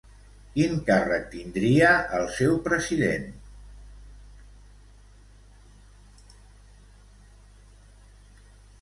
Quin càrrec tindria el seu president?